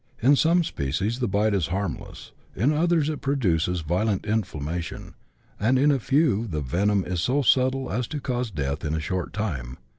In some species the bite is harmless, in others it produces violent inflam mation, and in a few the venom is so subtle as to cause death in a short time.